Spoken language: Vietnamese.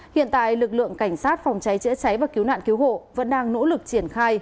hiện tại lực lượng cảnh sát phòng cháy chữa cháy và cứu nạn cứu hộ vẫn đang nỗ lực triển khai